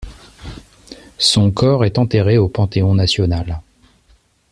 Son corps est enterré au Panthéon national.